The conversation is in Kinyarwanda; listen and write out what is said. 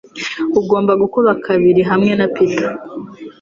ugomba gukuba kabiri hamwe na Peter